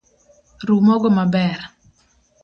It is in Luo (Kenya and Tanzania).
Ru mogo maber